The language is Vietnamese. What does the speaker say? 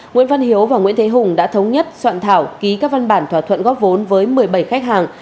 nguyễn văn hiếu và nguyễn thế hùng đã thống nhất soạn thảo ký các văn bản thỏa thuận góp vốn với một mươi bảy khách hàng